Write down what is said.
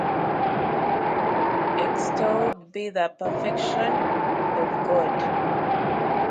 Extolled be the perfection of God!